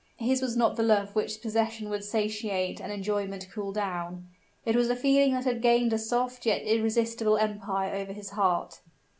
His was not the love which possession would satiate and enjoyment cool down: it was a feeling that had gained a soft yet irresistible empire over his heart.